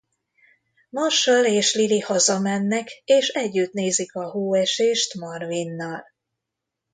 Marshall és Lily hazamennek és együtt nézik a hóesést Marvinnal.